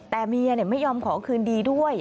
แต่เมียไม่ยอมขอคืนดีด้วย